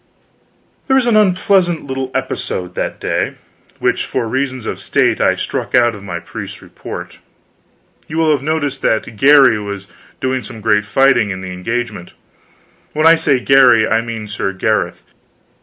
There was an unpleasant little episode that day, which for reasons of state I struck out of my priest's report. You will have noticed that Garry was doing some great fighting in the engagement. When I say Garry I mean Sir Gareth.